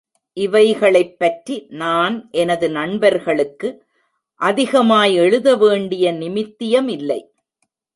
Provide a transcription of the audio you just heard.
இவைகளைப்பற்றி நான் எனது நண்பர்களுக்கு அதிகமாய் எழுத வேண்டிய நிமித்தியமில்லை.